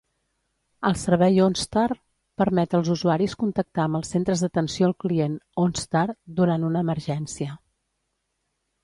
El servei OnStar permet als usuaris contactar amb els centres d"atenció al client OnStar durant una emergència.